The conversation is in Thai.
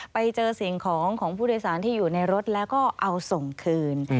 ไปเจอสิ่งของของผู้โดยสารที่อยู่ในรถแล้วก็เอาส่งคืน